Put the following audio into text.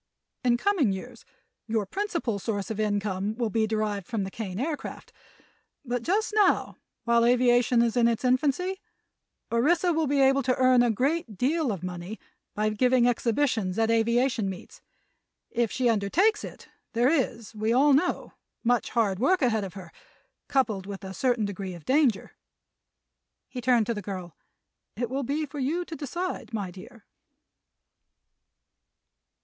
In coming years your principal source of income will be derived from the Kane Aircraft; but just now, while aviation is in its infancy, Orissa will be able to earn a great deal of money by giving exhibitions at aviation meets. If she undertakes it there is, we all know, much hard work ahead of her, coupled with a certain degree of danger." He turned to the girl. "It will be for you to decide, my dear."